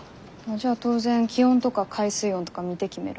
じゃあ当然気温とか海水温とか見て決めるんだよね？